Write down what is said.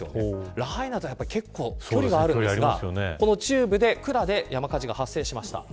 ラハイナと結構距離があるんですが中部で、クラで山火事が発生しました。